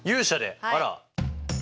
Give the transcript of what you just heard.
あら。